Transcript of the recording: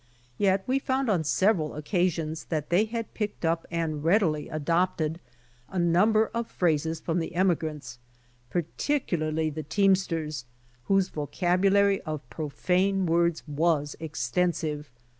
Yet we found on several occasions, that they had picked up and readily adopted a number of phrases from the emigrants, particularly the teamsters, whose vocab ulary of profane words was extensive.